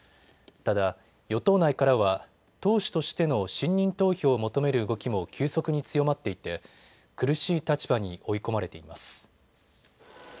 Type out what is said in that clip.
ただ、与党内からは党首としての信任投票を求める動きも急速に強まっていて苦しい立場に追い込まれています。